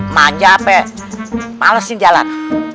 manja peh malesin jalan